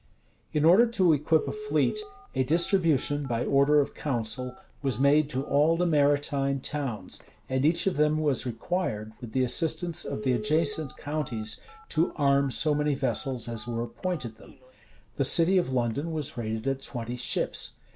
In order to equip a fleet, a distribution, by order of council, was made to all the maritime towns; and each of them was required, with the assistance of the adjacent counties, to arm so many vessels as were appointed them.[*] The city of London was rated at twenty ships.